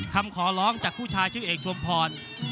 คำขอร้องจากผู้ชายชื่อเอกชุมพร